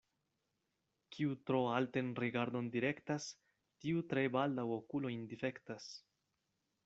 Kiu tro alten rigardon direktas, tiu tre baldaŭ okulojn difektas.